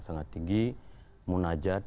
sangat tinggi munajat